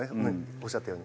おっしゃったように。